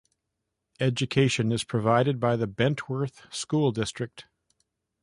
Education is provided by the Bentworth School District.